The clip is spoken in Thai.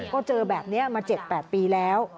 ก็เจอแบบนี้มาเจ็ดแปดปีแล้ว